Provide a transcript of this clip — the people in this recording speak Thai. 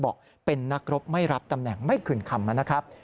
บอกเป็นนักรบไม่รับตำแหน่งไม่คืนคำนะครับ